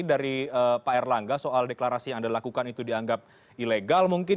dari pak erlangga soal deklarasi yang anda lakukan itu dianggap ilegal mungkin